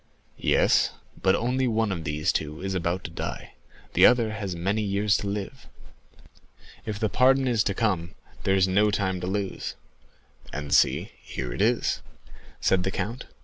"Yes; but only one of these two is about to die; the other has many years to live." "If the pardon is to come, there is no time to lose." "And see, here it is," said the count.